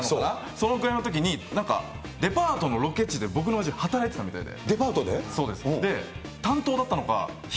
そのくらいのときに、なんかでパートのロケ地で僕のおやじ、働いてたみたいで。